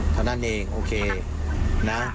เท่านั้นเองโอเคนะ